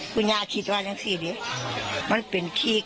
คุณย่าคิดว่าใช่หรือไม่